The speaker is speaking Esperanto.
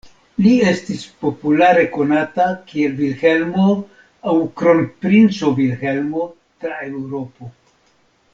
Li estis populare konata kiel Vilhelmo aŭ Kronprinco Vilhelmo tra Eŭropo.